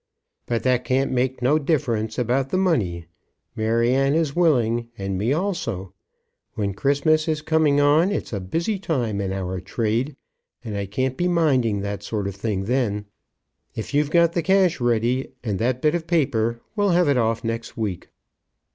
"But that can't make no difference about the money. Maryanne is willing, and me also. When Christmas is coming on, it's a busy time in our trade, and I can't be minding that sort of thing then. If you've got the cash ready, and that bit of paper, we'll have it off next week."